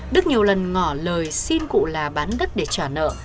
đức nhiều lần ngỏ lời xin cụ là bán đất để trả nợ